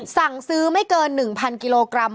สั่งซื้อไม่เกิน๑๐๐กิโลกรัม